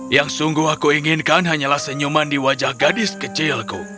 yang sungguh aku inginkan hanyalah senyuman di wajah gadis kecilku